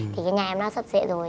thì cái nhà em nó sập xệ rồi